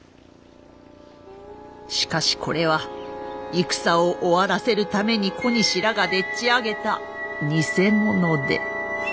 しかしこれは戦を終わらせるために小西らがでっちあげた偽物で。